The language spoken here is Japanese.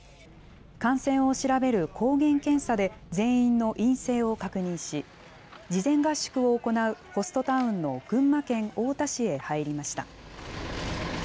感染を調べる抗原検査で全員の陰性を確認し、事前合宿を行うホストタウンの群馬県太田市へ入りました。